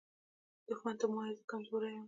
دښمن ته مه وایه “زه کمزوری یم”